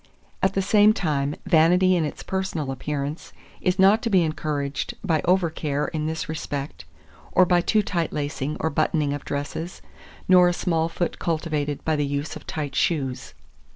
At the same time, vanity in its personal appearance is not to be encouraged by over care in this respect, or by too tight lacing or buttoning of dresses, nor a small foot cultivated by the use of tight shoes.